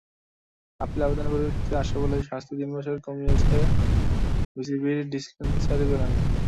Appeal আবেদনের পরিপ্রেক্ষিতে আশরাফুলের শাস্তি তিন বছর কমিয়েছে বিসিবির ডিসিপ্লিনারি প্যানেল।